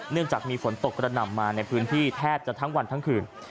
เนื่องจากมีฝนตกกระหน่ำมาในพื้นที่แทบจะทั้งวันทั้งคืน